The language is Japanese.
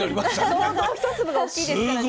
相当１粒が大きいですからね。